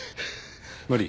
無理。